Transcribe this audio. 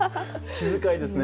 気遣いですね。